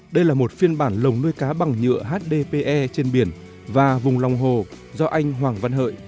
đây là một phiên bản lồng nuôi cá bằng nhựa hdpe trên biển và vùng lòng hồ do anh hoàng văn hợi